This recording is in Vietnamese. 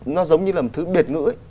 nó giống như là một thứ biệt ngữ